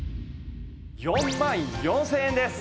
４万４０００円です！